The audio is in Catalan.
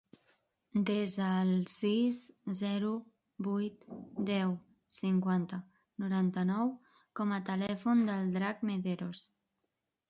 Desa el sis, zero, vuit, deu, cinquanta, noranta-nou com a telèfon del Drac Mederos.